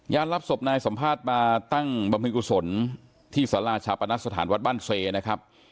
รับศพนายสัมภาษณ์มาตั้งบำเพ็ญกุศลที่สาราชาปนสถานวัดบ้านเซนะครับ